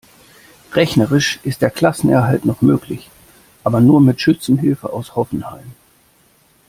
Rechnerisch ist der Klassenerhalt noch möglich, aber nur mit Schützenhilfe aus Hoffenheim.